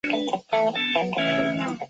纵纹锦鱼为隆头鱼科锦鱼属的鱼类。